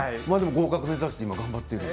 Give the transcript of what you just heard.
合格目指して頑張ってるんだ。